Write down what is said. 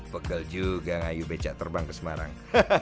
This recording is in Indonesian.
pegel juga ngayu becak terbang ke semarang